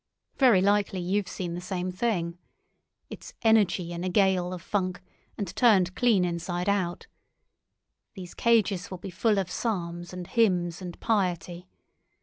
Very likely you've seen the same thing. It's energy in a gale of funk, and turned clean inside out. These cages will be full of psalms and hymns and piety.